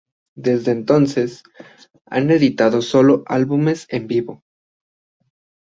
Desde entonces, han editado sólo álbumes en vivo.